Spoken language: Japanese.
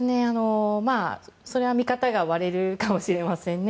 それは見方が割れるかもしれませんね。